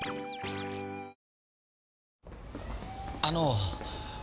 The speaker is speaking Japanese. あの。